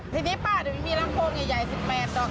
ทีนี้ป้าถึงมีลำโพงใหญ่๑๘ดอก